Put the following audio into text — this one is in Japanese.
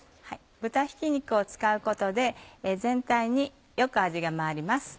豚ひき肉を使うことで全体によく味が回ります。